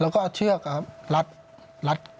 แล้วยังไงต่อ